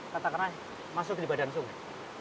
katakanlah masuk di badan sungai